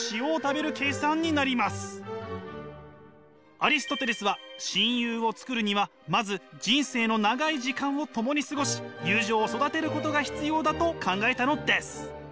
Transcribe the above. アリストテレスは親友を作るにはまず人生の長い時間を共に過ごし友情を育てることが必要だと考えたのです。